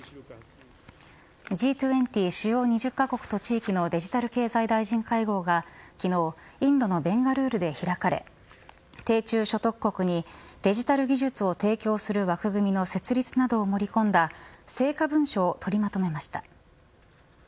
Ｇ２０＝主要２０カ国と地域のデジタル経済大臣会合が昨日インドのベンガルールで開かれ低中所得国にデジタル技術を提供する枠組みの設立などを盛り込んだ成果文書を取りまとめました。